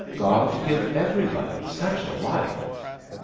God give everybody such a life."